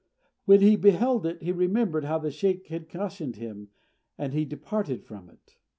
When he beheld it, he remembered how the sheykh had cautioned him, and he departed from it.